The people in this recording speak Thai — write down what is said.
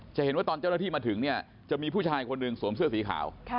เห็นว่าตอนเจ้าหน้าที่มาถึงเนี่ยจะมีผู้ชายคนหนึ่งสวมเสื้อสีขาว